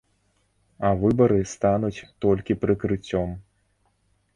А выбары стануць толькі прыкрыццём.